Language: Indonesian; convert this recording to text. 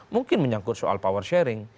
mungkin menyangkut soal power sharing